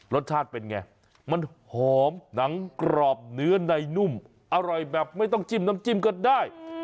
รสชาติเป็นไงมันหอมหนังกรอบเนื้อในนุ่มอร่อยแบบไม่ต้องจิ้มน้ำจิ้มก็ได้